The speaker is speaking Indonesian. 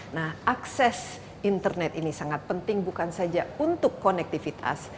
nah akses internet ini sangat penting bukan saja untuk konektivitas